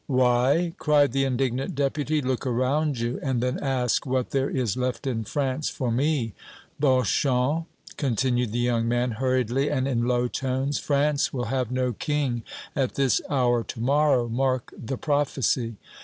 "Why?" cried the indignant Deputy. "Look around you and then ask what there is left in France for me! Beauchamp," continued the young man hurriedly and in low tones, "France will have no King at this hour to morrow! Mark the prophecy!